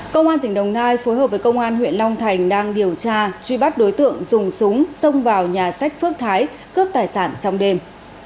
công an tỉnh đồng nai phối hợp với công an huyện long thành đang điều tra truy bắt đối tượng dùng súng xông vào nhà sách phước thái cướp tài sản trong đêm